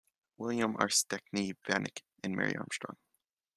William Arcedeckne Vanneck and Mary Armstrong.